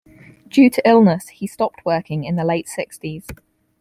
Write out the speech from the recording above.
Due to illness, he stopped working in the late sixties.